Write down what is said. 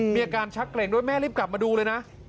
มีอาการชักเกร็งด้วยแม่รีบกลับมาดูเลยนะ